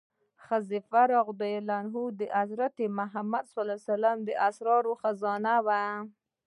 حذیفه رض د محمد صلی الله علیه وسلم د اسرارو خزانه وه.